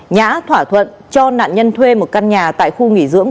nhã thỏa thuận cho nạn nhân thuê một căn nhà tại khu nghỉ dưỡng